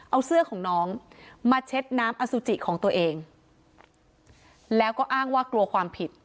เอาเสื้อของน้องมาเช็ดน้ำอสุจิของตัวเองแล้วก็อ้างว่ากลัวความผิด